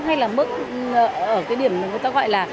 hay là mức ở cái điểm mà người ta gọi là